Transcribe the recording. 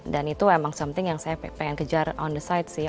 dan itu emang something yang saya pengen kejar on the side sih